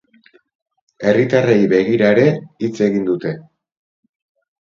Herritarrei begira ere hitz egin dute.